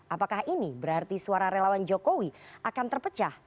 apakah ini berarti suara relawan jokowi akan terpecah